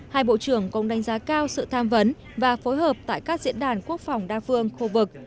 hai bộ trưởng cũng đánh giá cao sự tham vấn và phối hợp tại các diễn đàn quốc phòng đa phương khu vực